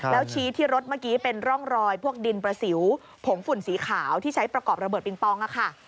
แล้วชี้ที่รถเมื่อกี้เป็นร่องรอยพวกดินประสิวผงฝุ่นสีขาวที่ใช้ประกอบระเบิดปิงปองค่ะ